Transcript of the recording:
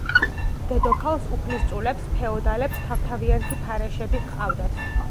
დედოფალს, უფლისწულებს, ფეოდალებს თავ-თავიანთი ფარეშები ჰყავდათ.